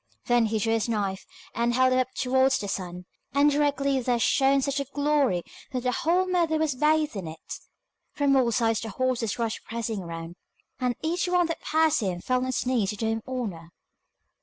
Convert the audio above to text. Then he drew his knife, and held it up towards the sun, and directly there shone such a glory that the whole meadow was bathed in it. From all sides the horses rushed pressing round, and each one that passed him fell on its knees to do him honour.